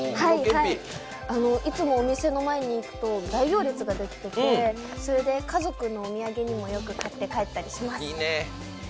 いつもお店の前に行くと大行列ができていて、家族のおみやげにもよく買って帰ったりします。